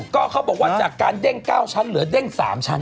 ก็เขาบอกว่าจากการเด้ง๙ชั้นเหลือเด้ง๓ชั้น